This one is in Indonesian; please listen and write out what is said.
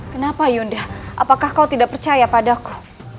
kenapa yunda apakah kau tidak percaya padaku